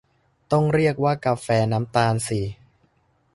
ต้องเรียกว่ากาแฟน้ำตาลสิ